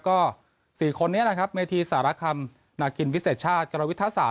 ก็๔คนนี้นะครับเมธีสาระคำหน้ากินวิเศษชาติกรวิทธศาสตร์